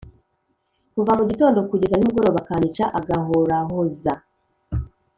kuva mu gitondo kugeza nimugoroba akanyica, agahorahoza!